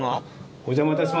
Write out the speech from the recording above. お邪魔いたします。